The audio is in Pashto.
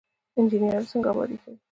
انجنیران څنګه ابادي کوي؟